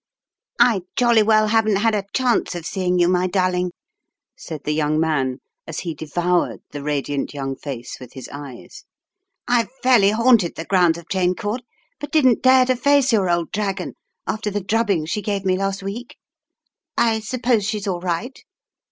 "I jolly well haven't had a chance of seeing you, my darling," said the young man as he devoured the radiant young face with his eyes. "I've fairly haunted the grounds of Cheyne Court but didn't dare to face your old dragon after the drubbing she gave me last week. I suppose she's all right?"